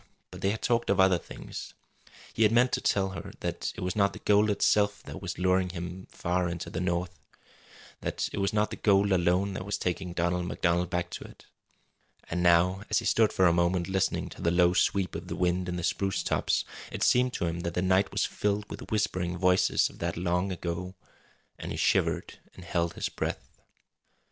But they had talked of other things. He had meant to tell her that it was not the gold itself that was luring him far to the north that it was not the gold alone that was taking Donald MacDonald back to it. And now, as he stood for a moment listening to the low sweep of the wind in the spruce tops, it seemed to him that the night was filled with whispering voices of that long ago and he shivered, and held his breath.